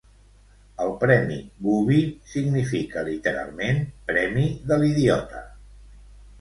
El premi Bubi significa literalment "premi de l'idiota".